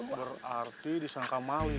kamu naik berarti disangkab maling